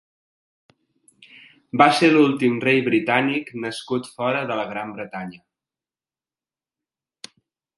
Va ser l'últim rei britànic nascut fora de la Gran Bretanya.